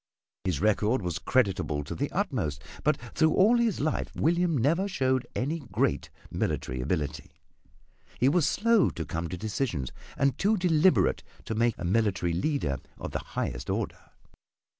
His record was creditable to the utmost, but through all his life William never showed any great military ability. He was slow to come to decisions and too deliberate to make a military leader of the highest order.